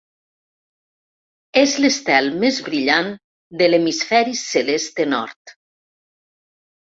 És l'estel més brillant de l'hemisferi celeste nord.